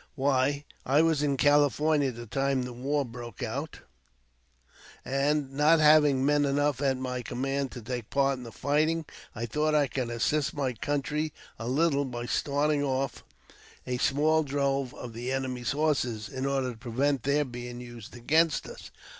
" Why, I was in California at the time the war broke out, and, not having men enough at my command to take part in the fighting, I thought I could assist my country a little by start ing off a small drove of the enemy's horses, in order to prevent their being used against us."